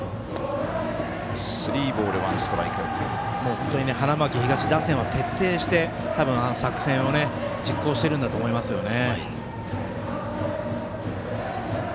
本当に花巻東打線を徹底して多分、作戦を実行してるんだと思いますよね。